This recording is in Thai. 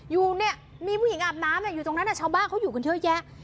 อยู่เนี่ยมีผู้หญิงอาบน้ำอยู่ตรงนั้นชาวบ้านเขาอยู่กันเยอะแยะ